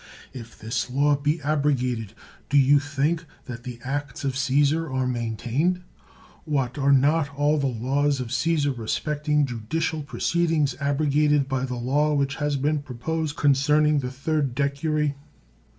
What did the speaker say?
If this law be abrogated, do you think that the acts of Caesar are maintained? What! are not all the laws of Caesar respecting judicial proceed ings abrogated by the law which has been pro posed concerning the third decury?